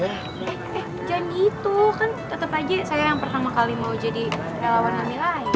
eh jangan gitu kan tetap aja saya yang pertama kali mau jadi relawan kami lain